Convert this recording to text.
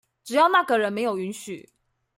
只要那個人沒有允許